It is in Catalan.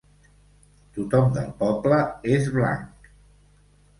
Tothom del poble és blanc.